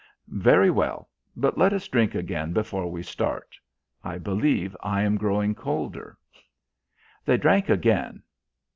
"Very well; but let us drink again before we start. I believe I am growing colder." They drank again.